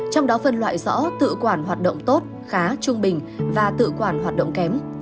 trong đó phân loại rõ tự quản hoạt động tốt khá trung bình và tự quản hoạt động kém